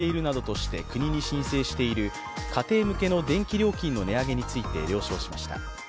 大手電力７社が火力発電のコストが上昇しているなどとして国に申請している家庭向けの電気料金の値上げについて了承しました。